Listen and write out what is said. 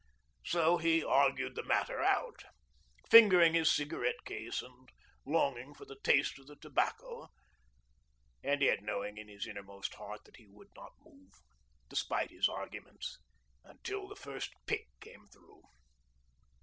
So he argued the matter out, fingering his cigarette case and longing for the taste of the tobacco, and yet knowing in his inmost heart that he would not move, despite his arguments, until the first pick came through.